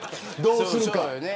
どうするか。